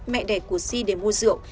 mẹ đẻ của si để mua rượu